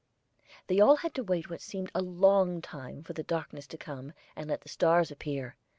They all had to wait what seemed a long time for the darkness to come, and let the stars appear.